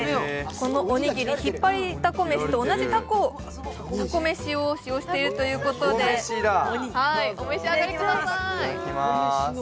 このおにぎり、ひっぱりだこ飯と同じたこ飯を使用しているということでお召し上がりください。